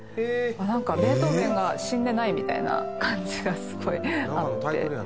ベートーヴェンが死んでないみたいな感じがすごいあって。